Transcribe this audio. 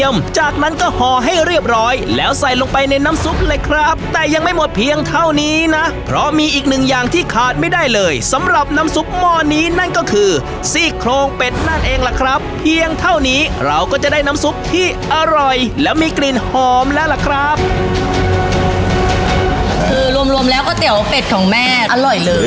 มันก็หอให้เรียบร้อยแล้วใส่ลงไปในน้ำซุปเลยครับแต่ยังไม่หมดเพียงเท่านี้นะเพราะมีอีกหนึ่งอย่างที่ขาดไม่ได้เลยสำหรับน้ำซุปหม้อนี้นั่นก็คือซีกโครงเป็ดนั่นเองแหละครับเพียงเท่านี้เราก็จะได้น้ำซุปที่อร่อยแล้วมีกลิ่นหอมแล้วแหละครับคือรวมแล้วก็เตี๋ยวเป็ดของแม่อร่อยเลย